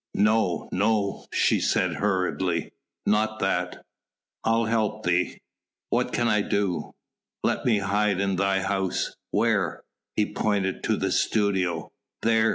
"No! no!" she said hurriedly. "Not that.... I'll help thee!... What can I do?" "Let me hide in thy house...." "Where?" He pointed to the studio. "There!"